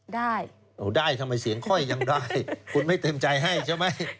ได้ได้ทำไมเสียงค่อยยังได้คุณไม่เต็มใจให้ใช่ไหม